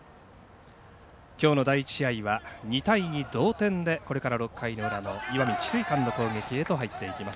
きょうの第１試合は２対２、同点でこれから６回の裏の石見智翠館の攻撃へと入っていきます。